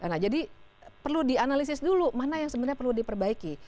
nah jadi perlu dianalisis dulu mana yang sebenarnya perlu diperbaiki